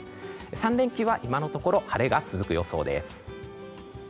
３連休は今のところ晴れが続く予想です。